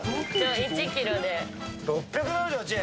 １キロで６７８円。